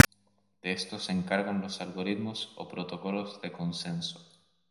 De esto se encargan los algoritmos o protocolos de consenso.